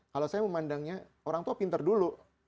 kalau saya memandangnya orang tua pinter dulu